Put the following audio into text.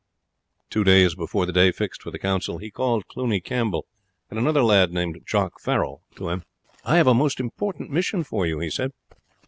Two days before the day fixed for the council he called Cluny Campbell and another lad named Jock Farrel to him. "I have a most important mission for you," he said.